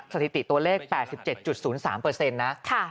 สถิติตัวเลข๘๗๐๓นะ